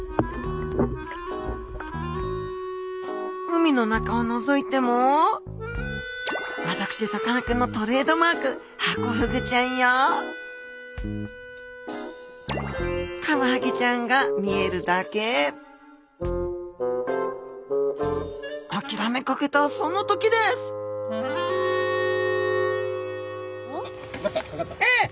海の中をのぞいても私さかなクンのトレードマークハコフグちゃんやカワハギちゃんが見えるだけあきらめかけたその時です何かかかった。